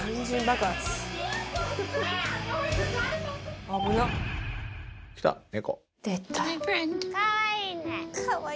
かわいい。